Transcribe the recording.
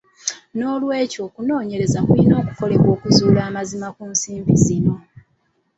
Noolwekyo okunoonyereza kulina okukolebwa okuzuula amazima ku nsimbi zino.